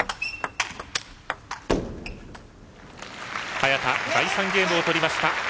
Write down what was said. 早田、第３ゲームを取りました。